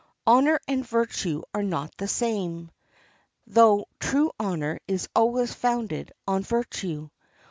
Honor and virtue are not the same, though true honor is always founded on virtue.